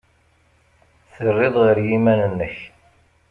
Terrid ɣef yiman-nnek.